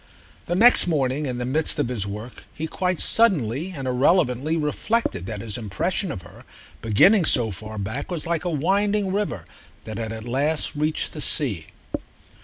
The next morning in the midst of his work he quite suddenly and irrelevantly reflected that his impression of her, beginning so far back, was like a winding river that had at last reached the sea.